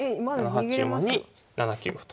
７八馬に７九歩と。